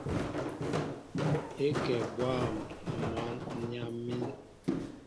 É kɛ bwâm a mwǎn , ǹ yam̀ín.